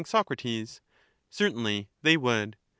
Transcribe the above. Soc, Certainly they would.